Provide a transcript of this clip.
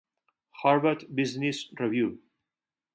Harvard Business Review